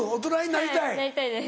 なりたいです。